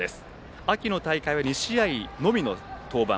秋の大会は２試合のみの登板。